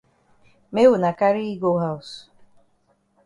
Make wuna carry yi go haus.